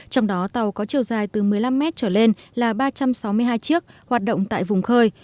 trong đó tàu có chiều dài từ một mươi năm mét trở lên là ba trăm sáu mươi hai chiếc hoạt động tại vùng khơi